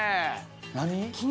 何？